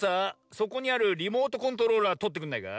そこにあるリモートコントローラーとってくんないか？